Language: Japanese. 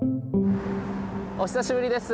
お久しぶりです。